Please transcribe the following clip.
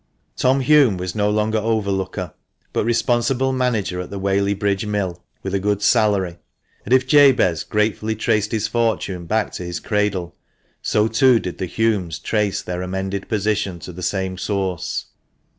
Tom Hulme was no longer overlooker, but responsible manager at the Whaley Bridge Mill, with a good salary ; and if Jabez gratefully traced his fortune back to his cradle, so too did the Hulmes trace their amended position to the same source.